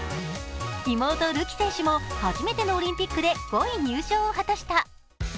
妹、るき選手も、初めてのオリンピックで５位入賞を果たした。